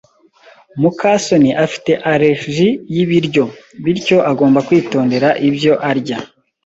muka soni afite allergie y'ibiryo, bityo agomba kwitondera ibyo arya.